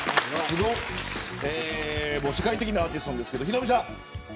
世界的なアーティストなんですがヒロミさん。